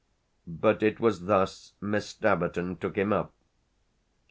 But it was thus Miss Staverton took him up.